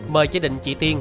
mời gia đình chị tiên